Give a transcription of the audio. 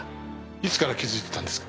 いつから気づいてたんですか？